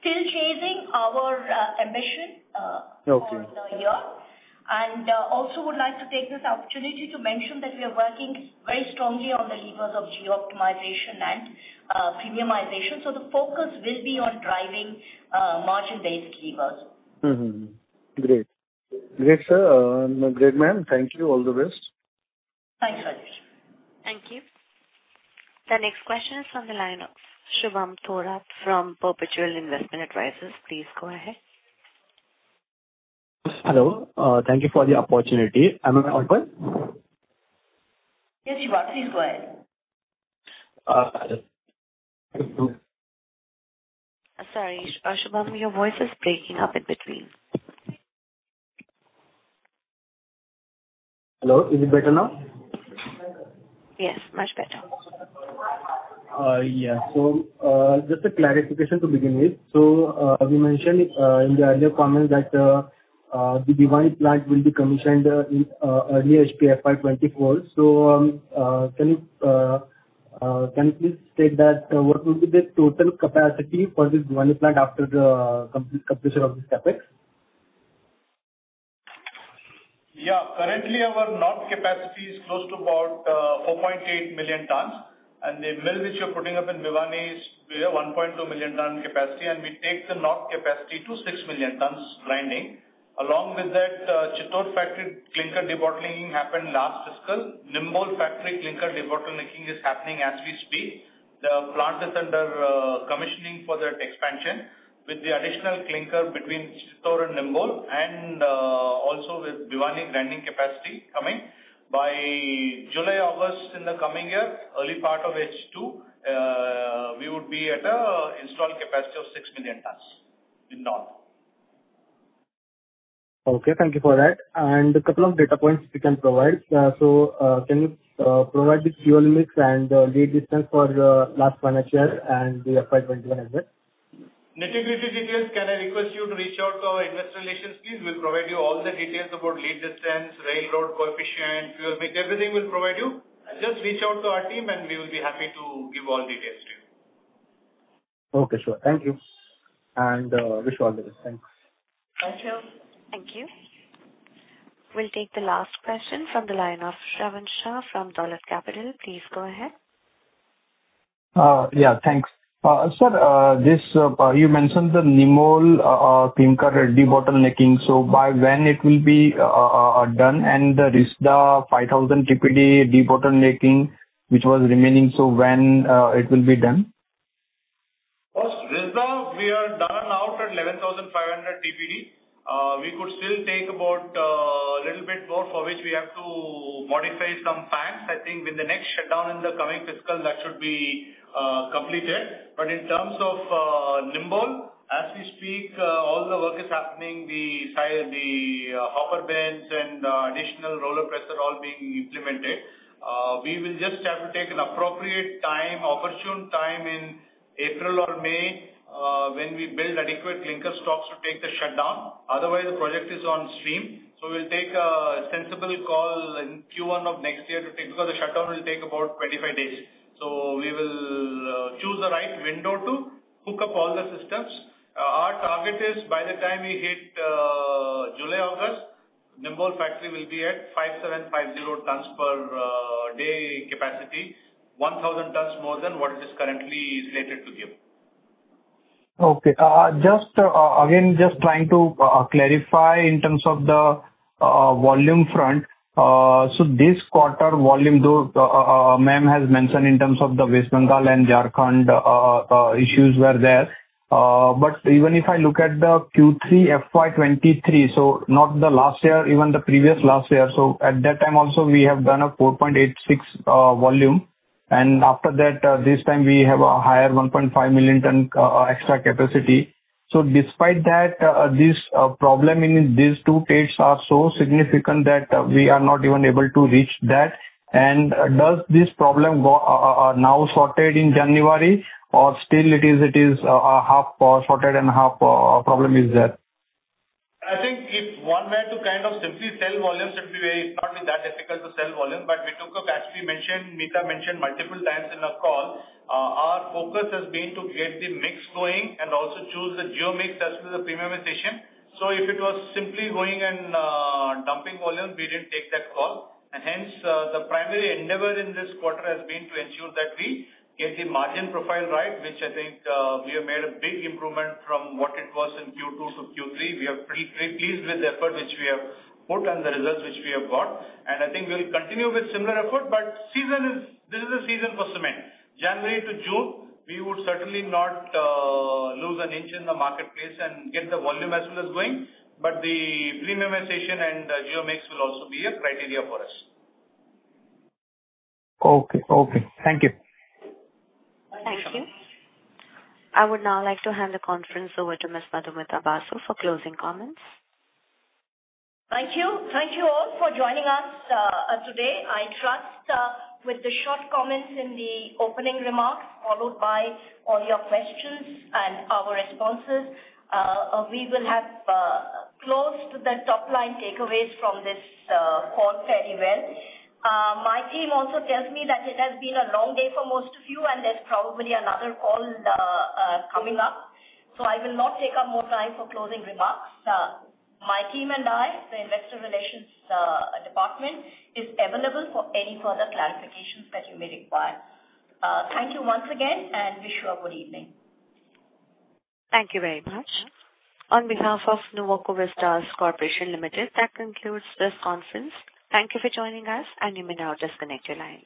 Speaker 2: Still chasing our ambition for the year.
Speaker 11: Okay.
Speaker 2: Also would like to take this opportunity to mention that we are working very strongly on the levers of geo-optimization and premiumization. The focus will be on driving margin-based levers.
Speaker 11: Great. Great, sir. Great, ma'am. Thank you. All the best.
Speaker 2: Thanks, Rajesh.
Speaker 1: Thank you. The next question is from the line of Shubham Thorat from Perpetual Investment Advisors. Please go ahead.
Speaker 12: Hello. Thank you for the opportunity. Am I on call?
Speaker 4: Yes, Shubham, please go ahead.
Speaker 1: Sorry, Shubham, your voice is breaking up in between.
Speaker 12: Hello. Is it better now?
Speaker 1: Yes, much better.
Speaker 12: Just a clarification to begin with. You mentioned in the earlier comments that the Bhiwani plant will be commissioned in early H1 FY 2024. Can you please state what will be the total capacity for this Bhiwani plant after the complete completion of this CapEx?
Speaker 4: Currently our north capacity is close to about 4.8 million tonnes, the mill which we're putting up in Bhiwani is 1.2 million tonne capacity, we take the north capacity to 6 million tonnes grinding. Along with that, Chittor factory clinker debottlenecking happened last fiscal. Neemuch factory clinker debottlenecking is happening as we speak. The plant is under commissioning for that expansion with the additional clinker between Chittor and Neemuch, also with Bhiwani grinding capacity coming. By July, August in the coming year, early part of H2, we would be at installed capacity of 6 million tonnes in north.
Speaker 12: Okay, thank you for that. A couple of data points if you can provide. Can you provide the fuel mix and lead distance for last financial and the FY 2021 as well?
Speaker 4: Nitya, with these details, can I request you to reach out to our investor relations, please? We'll provide you all the details about lead distance, railroad coefficient, fuel mix. Everything we'll provide you. Just reach out to our team and we will be happy to give all details to you.
Speaker 12: Okay, sure. Thank you. Wish you all the best. Thanks.
Speaker 4: Thank you.
Speaker 1: Thank you. We'll take the last question from the line of Shravan Shah from Dolat Capital. Please go ahead.
Speaker 7: Yeah, thanks. Sir, you mentioned the Neemuch clinker debottlenecking, by when it will be done, and the Risda 5,000 TPD debottlenecking, which was remaining, when it will be done?
Speaker 4: For Risda, we are done now at 11,500 TPD. We could still take about a little bit more, for which we have to modify some fans. I think with the next shutdown in the coming fiscal, that should be completed. In terms of Neemuch, as we speak, all the work is happening. The hopper bins and additional roller press are all being implemented. We will just have to take an appropriate time, opportune time in April or May, when we build adequate clinker stocks to take the shutdown. Otherwise, the project is on stream. We'll take a sensible call in Q1 of next year to take, because the shutdown will take about 25 days. We will choose the right window to hook up all the systems. Our target is, by the time we hit July, August, Neemuch factory will be at 5,750 tonnes per day capacity, 1,000 tonnes more than what it is currently slated to give.
Speaker 7: Okay. Again, just trying to clarify in terms of the volume front. This quarter volume, though ma'am has mentioned in terms of the West Bengal and Jharkhand issues were there. Even if I look at the Q3 FY 2023, not the last year, even the previous last year, at that time also, we have done a 4.86 volume, and after that, this time we have a higher 1.5 million tonne extra capacity. Despite that, this problem in these two states are so significant that we are not even able to reach that. Does this problem go now sorted in January? Or still it is half sorted and half problem is there?
Speaker 4: I think if one were to kind of simply sell volume should be very, not that difficult to sell volume, but we took, as we mentioned, Meeta mentioned multiple times in the call, our focus has been to get the mix going and also choose the geo mix as well as the premiumization. If it was simply going and dumping volume, we didn't take that call, and hence, the primary endeavor in this quarter has been to ensure that we get the margin profile right, which I think we have made a big improvement from what it was in Q2 to Q3. We are pretty pleased with the effort which we have put and the results which we have got. I think we'll continue with similar effort. This is the season for cement. January to June, we would certainly not lose an inch in the marketplace and get the volume as well as going, the premiumization and geo mix will also be a criteria for us.
Speaker 7: Okay. Thank you.
Speaker 1: Thank you. I would now like to hand the conference over to Ms. Madhumita Basu for closing comments.
Speaker 2: Thank you. Thank you all for joining us today. I trust with the short comments in the opening remarks, followed by all your questions and our responses, we will have close to the top-line takeaways from this call fair event. My team also tells me that it has been a long day for most of you, and there's probably another call coming up, so I will not take up more time for closing remarks. My team and I, the Investor Relations Department, is available for any further clarifications that you may require. Thank you once again, and wish you a good evening.
Speaker 1: Thank you very much. On behalf of Nuvoco Vistas Corporation Limited, that concludes this conference. Thank you for joining us, and you may now disconnect your lines.